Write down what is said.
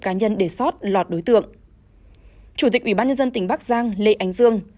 chủ tịch ủy ban dân tỉnh bắc giang lê ánh dương